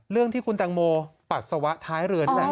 เรื่องที่คุณตังโมปัสสาวะท้ายเรือนี่แหละ